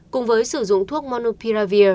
cùng với sử dụng thuốc monopiravir